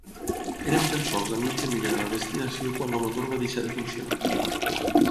Érem tan sols a mitja milla de la destinació quan el motor va deixar de funcionar.